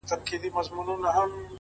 د پریان لوري، د هرات او ګندارا لوري،